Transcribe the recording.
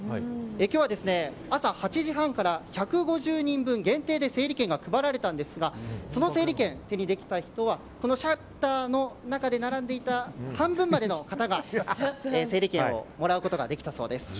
今日は朝８時半から１５０人分限定で整理券が配られたんですがその整理券を手にできた人はこのシャッターの中で並んでいた半分までの方が整理券をもらうことができたそうです。